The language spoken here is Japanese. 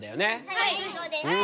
はいそうです。